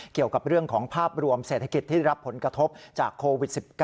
เกี่ยวกับเรื่องของภาพรวมเศรษฐกิจที่ได้รับผลกระทบจากโควิด๑๙